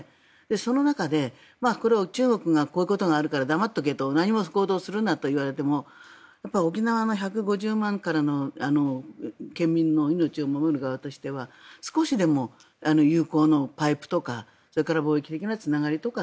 その中で、これを中国がこういうことがあるから黙っとけと何も行動するなと言われても沖縄の１５０万からの県民の命を守る側としては少しでも友好のパイプとかそれから貿易的なつながりとか